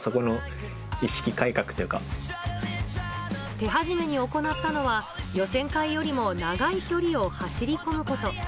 手始めに行ったのは予選会よりも長い距離を走り込むこと。